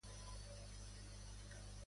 A qui li va demanar ajuda Minos?